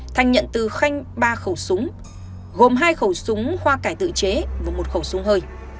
thanh nhận từ khanh ba khẩu súng gồm hai khẩu súng hoa cải tự chế và một khẩu súng hơi